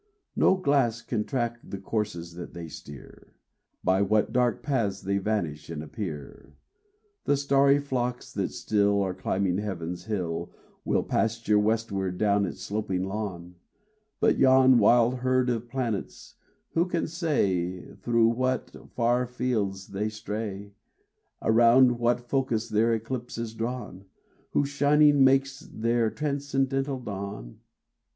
No glass can track the courses that they steer, By what dark paths they vanish and appear. The starry flocks that still Are climbing heaven's hill Will pasture westward down its sloping lawn; But yon wild herd of planets, who can say Through what far fields they stray, Around what focus their ellipse is drawn, Whose shining makes their transcendental dawn?"